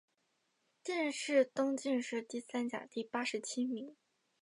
殿试登进士第三甲第八十七名。